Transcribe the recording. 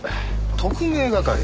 特命係？